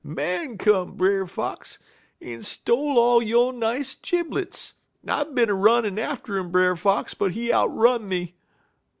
"'Man come, Brer Fox, en stole all yo' nice jiblets. I bin a runnin' atter 'im, Brer Fox, but he outrun me.'